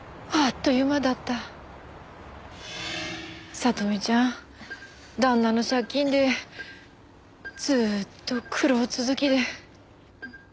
里美ちゃん旦那の借金でずっと苦労続きで。